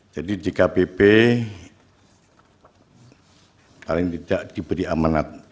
jadi di kpp paling tidak diberi amanat